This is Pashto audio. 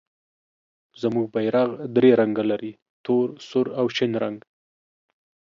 زموږ بیرغ درې رنګه لري، تور، سور او شین رنګ.